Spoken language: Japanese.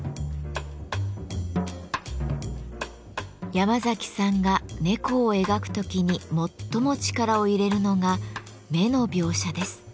ヤマザキさんが猫を描く時に最も力を入れるのが目の描写です。